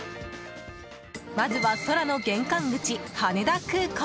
まずは、空の玄関口・羽田空港。